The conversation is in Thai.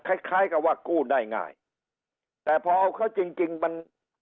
คล้ายคล้ายกับว่ากู้ได้ง่ายแต่พอเอาเขาจริงจริงมัน